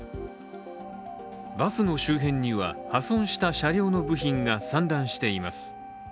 バスの周辺には、破損した車両の部品が散乱しています。